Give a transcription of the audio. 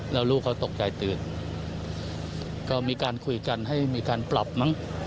แล้วลูกเขาตกใจตื่นก็มีการคุยกันให้มีการปรับมั้ง